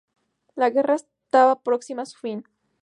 La guerra estaba próxima a su fin.